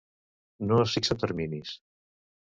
No es fixen terminis.